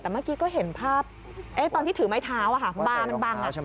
แต่เมื่อกี้ก็เห็นภาพตอนที่ถือไม้เท้าบาร์มันบัง